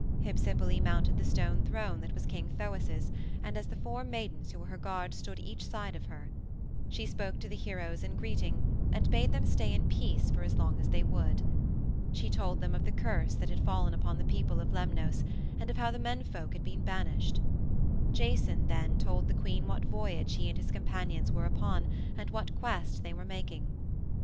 Hypsipyle mounted the stone throne that was King Thoas's and the four maidens who were her guards stood each side of her. She spoke to the heroes in greeting and bade them stay in peace for as long as they would. She told them of the curse that had fallen upon the people of Lemnos, and of how the menfolk had been banished. Jason, then, told the queen what voyage he and his companions were upon and what quest they were making.